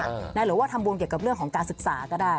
หรือว่าทำบุญเกี่ยวกับเรื่องของการศึกษาก็ได้